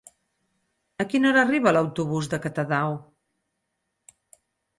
A quina hora arriba l'autobús de Catadau?